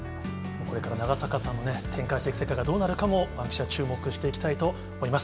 これから長坂さんの展開していく世界がどうなるかも、バンキシャ、注目していきたいと思います。